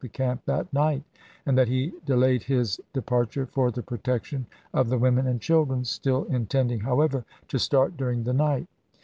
xiil the camp that night, and that he delayed his de parture for the protection of the women and chil dren, still intending, however, to start during the night.